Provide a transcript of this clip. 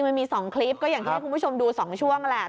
อย่างที่ให้คุณผู้ชมดู๒ช่วงแหละ